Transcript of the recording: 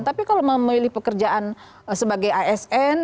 tapi kalau memilih pekerjaan sebagai asn